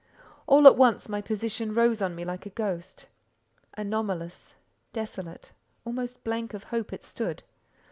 All at once my position rose on me like a ghost. Anomalous, desolate, almost blank of hope it stood.